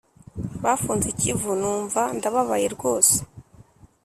Bafunze ikivu numva ndababaye rwose